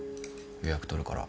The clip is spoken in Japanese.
予約取るから。